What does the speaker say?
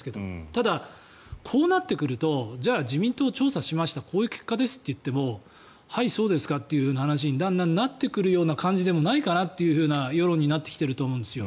ただ、こうなってくるとじゃあ自民党、調査しましたこういう結果ですって言ってもはいそうですかという話にだんだんなってくるような感じでもないかなというふうな世論になってきていると思うんですよ。